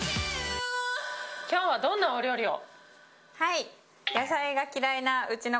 今日はどんなお料理を。